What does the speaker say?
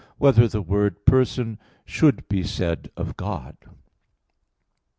3] Whether the Word "Person" Should Be Said of God?